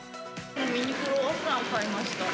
ミニクロワッサンを買いました。